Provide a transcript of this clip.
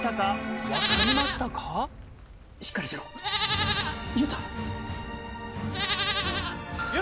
しっかりしろ優太！